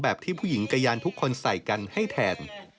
ที่ผู้หญิงกระยานทุกคนใส่กันให้แทน